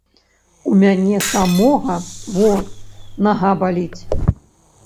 У мяне самога, во, нага баліць.